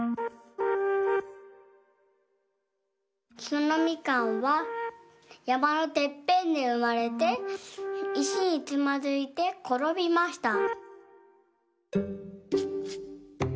そのみかんはやまのてっぺんでうまれていしにつまずいてころびました。